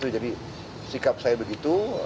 jadi sikap saya begitu